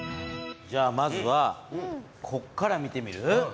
じゃあまずはこっから見てみる？